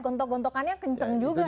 gontok gontokannya kencang juga